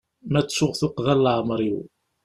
Ma ttuɣ tuqqda n leɛmer-iw.